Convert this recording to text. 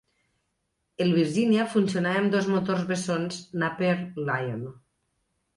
El Virginia funcionava amb dos motors bessons Napier Lion.